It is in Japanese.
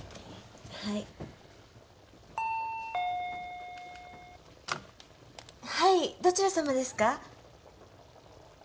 はいはいどちら様ですか？